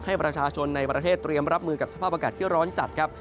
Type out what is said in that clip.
ให้ประชาชนในประเทศเตรียมรับมือกับสภาพอากาศที่ร้อนจัดครับ